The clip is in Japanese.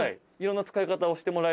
いろんな使い方をして。